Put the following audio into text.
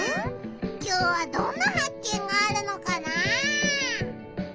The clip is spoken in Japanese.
きょうはどんなはっ見があるのかな？